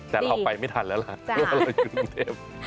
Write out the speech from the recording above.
แต่เราไปไม่ทันแล้วล่ะเพราะว่าเราอยู่กรุงเทพ